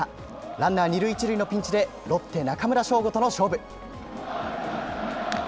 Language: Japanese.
ランナー２塁１塁のピンチでロッテ、中村奨吾との勝負。